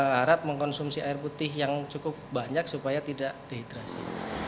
harap mengkonsumsi air putih yang cukup banyak supaya tidak dehidrasi